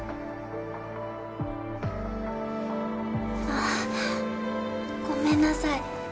ああごめんなさい。